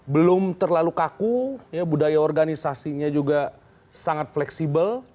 belum terlalu kaku budaya organisasinya juga sangat fleksibel